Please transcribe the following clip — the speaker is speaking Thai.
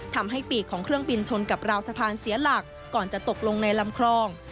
ทำให้ปีกของเครื่องบินชนกับราวสะพานเสียหลักก่อนจะตกลงในลำคลอง